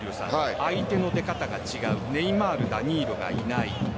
相手の出方が違うネイマールがダニーロがいない。